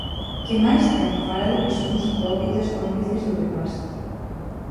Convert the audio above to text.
Que máis ten fala de que somos hipócritas cómplices do que pasa.